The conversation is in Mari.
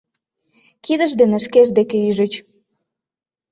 Кидышт дене шкешт деке ӱжыч.